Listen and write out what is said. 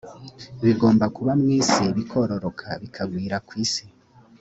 bigomba kuba mu isi bikororoka bikagwira ku isi